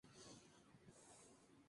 Una de ellas se establece en Atenas.